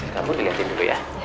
kamu dilihatin dulu ya